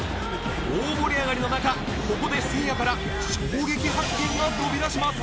大盛り上がりの中ここでせいやから衝撃発言が飛び出します